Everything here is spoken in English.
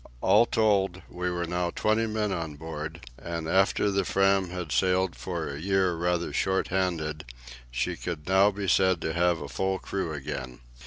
All told, we were now twenty men on board, and after the Fram had sailed for a year rather short handed, she could now be said to have a full crew again.